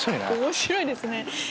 面白いですね。